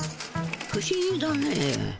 不思議だね。